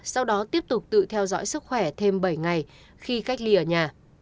sau đó tiếp tục tự theo dõi sức khỏe thêm bảy ngày khi cách ly ở nhà